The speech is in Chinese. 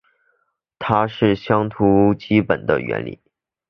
它是相图的基本原理。